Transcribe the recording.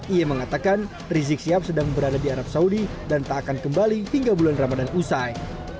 ia mengatakan rizik sihab sedang berada di arab saudi dan tak akan kembali hingga bulan ramadan usai